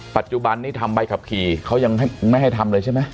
ปัจจุบันนี้ทำใบขับขี่เขายังไม่ให้ทำเลยใช่ไหม